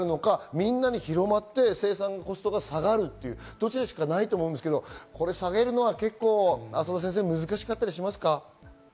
みんなに広まって生産コストが下がるということしかないと思うんですけれども、下げるのは難しかったりしますか？